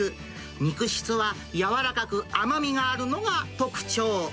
肉質は柔らかく甘みがあるのが特徴。